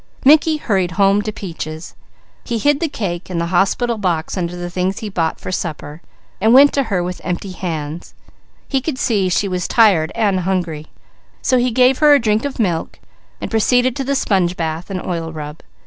Mickey hurried home to Peaches. He hid the cake and the hospital box under the things he bought for supper and went to her with empty hands. He could see she was tired and hungry, so he gave her a drink of milk, and proceeded to the sponge bath and oil rub.